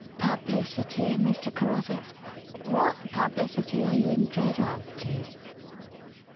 "Publicity, Mr. Carruthers? What publicity are you in dread of, please?"